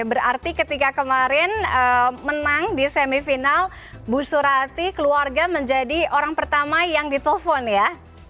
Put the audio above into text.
berarti ketika kemarin menang di semifinal bu surati keluarga menjadi orang pertama yang ditelepon ya